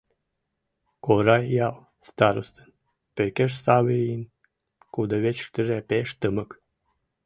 Корай ял старостын, Пекеш Савийын, кудывечыштыже пеш тымык.